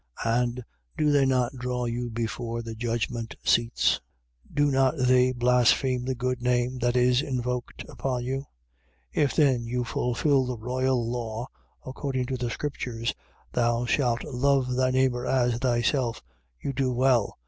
And do not they draw you before the judgment seats? 2:7. Do not they blaspheme the good name that is invoked upon you? 2:8. If then you fulfil the royal law, according to the scriptures: Thou shalt love thy neighbour as thyself; you do well.